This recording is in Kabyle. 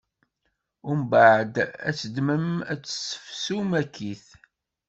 Umbeɛd ad tt-ddmen, ad tt-ssefsun akkit.